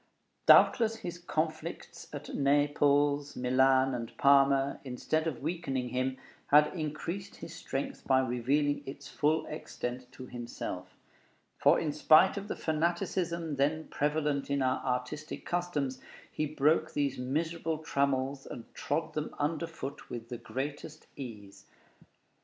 Doubtless his conflicts at Milan, Naples, and Parma, instead of weakening him, had increased his strength by revealing its full extent to himself; for in spite of the fanaticism then prevalent in our artistic customs, he broke these miserable trammels and trod them underfoot with the greatest ease.